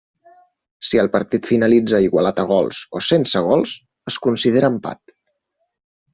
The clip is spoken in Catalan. Si el partit finalitza igualat a gols o sense gols, es considera empat.